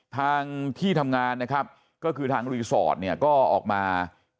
ทางที่ทำงานนะครับก็คือทางรีสอร์ทเนี่ยก็ออกมา